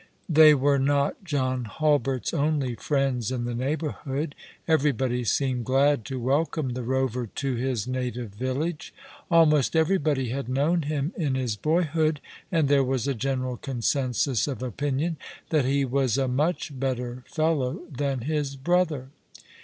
They were not John Hulbert's only friends in the neigh bourhood. Everybody seemed glad to welcome the rover t(i his native village. Almost everybody had known him in his boyhood ; and there was a general consensus of ojDinion that he was a much better fellow than his brother.